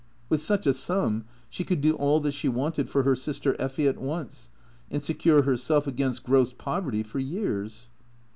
With such a sum she could do all that she Avanted for her sister Effy at once, and secure herself against gross poverty for years.